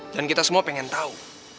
dan kita semua pengen tahu